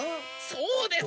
そうです。